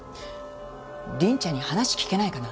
凛ちゃんに話聞けないかな？